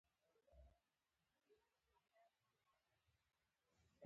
آیا موږ به خپل مسوولیت ادا کړو؟